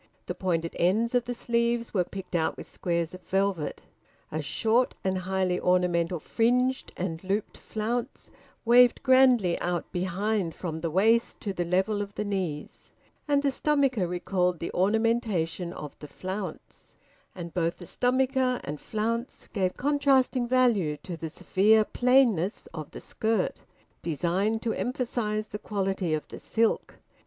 The pointed ends of the sleeves were picked out with squares of velvet. A short and highly ornamental fringed and looped flounce waved grandly out behind from the waist to the level of the knees; and the stomacher recalled the ornamentation of the flounce; and both the stomacher and flounce gave contrasting value to the severe plainness of the skirt, designed to emphasise the quality of the silk.